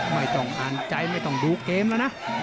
ไม่ต้องอ่านใจไม่ต้องดูเกมแล้วนะ